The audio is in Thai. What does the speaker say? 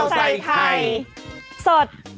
สวัสดีค่ะข่าวไทยไทยสด